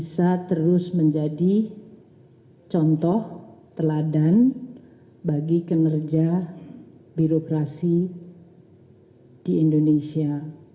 harus menjadi contoh teladan bagi kinerja birokrasi di indonesia